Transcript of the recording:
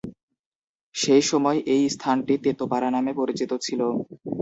সেই সময় এই স্থানটি "তোতোপাড়া" নামে পরিচিত ছিল।